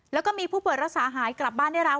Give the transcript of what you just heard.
แล้วก็มีผู้ป่วยรักษาหายกลับบ้านได้แล้ว